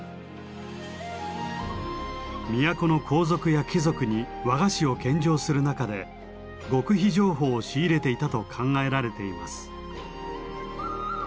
都の皇族や貴族に和菓子を献上する中で極秘情報を仕入れていたと考えられています。